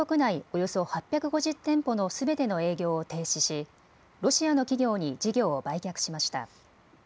およそ８５０店舗のすべての営業を停止しロシアの企業に事業を売却しました。